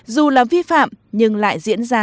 dù là vi phạm nhưng lại diễn ra